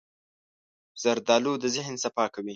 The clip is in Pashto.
زردالو د ذهن صفا کوي.